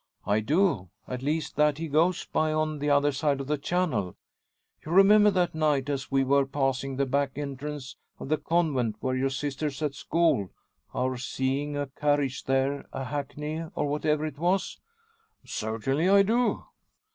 "I do; at least that he goes by on the other side of the Channel. You remember that night as we were passing the back entrance of the convent where your sister's at school, our seeing a carriage there a hackney, or whatever it was?" "Certainly I do."